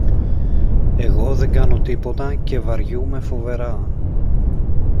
Εγώ δεν κάνω τίποτα και βαριούμαι φοβερά!